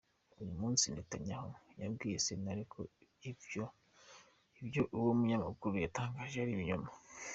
Uyu munsi Netanyahu yabwiye sentare ko ivyo uwo munyamakuru yatangaje ari ibinyoma.